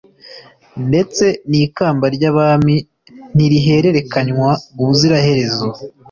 ndetse n’ikamba ry’abami ntirihererekanywa ubuziraherezo